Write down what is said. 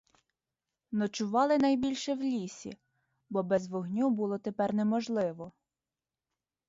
Ночували найбільше в лісі, бо без вогню було тепер неможливо.